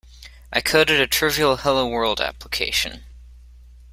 I coded a trivial hello world application.